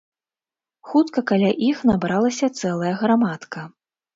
Хутка каля іх набралася цэлая грамадка.